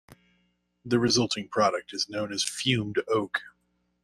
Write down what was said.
The resulting product is known as "fumed oak".